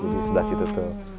di sebelah situ tuh